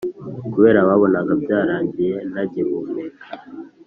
kubera babonaga byarangiye ntagihumeka